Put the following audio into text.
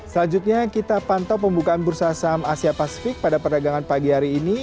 selanjutnya kita pantau pembukaan bursa saham asia pasifik pada perdagangan pagi hari ini